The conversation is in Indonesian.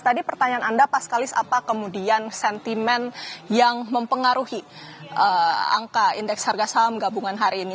tadi pertanyaan anda pas kalis apa kemudian sentimen yang mempengaruhi angka indeks harga saham gabungan hari ini